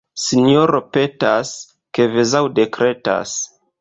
Sinjoro petas, kvazaŭ dekretas.